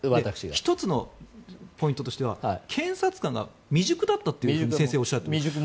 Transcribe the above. １つのポイントとしては検察官が未熟だったと先生はおっしゃっていた。